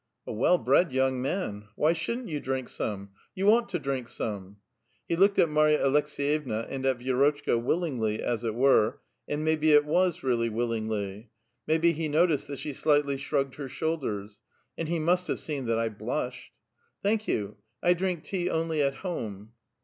(A well bred young man I) — Whv shouMn't vou drink some? You ouo^ht to drink some I " lie looked at ^larva Aleks^'vevna and at Vi6rotchka will ingly, as it were ; and maybe it was really willingly. May be he noticed that she slightly shrugged her shoulders. " And he must have seen that I blushed !" "Thank vou ! I drink tea only at home.'